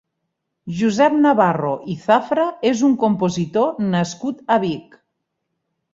Josep Navarro i Zafra és un compositor nascut a Vic.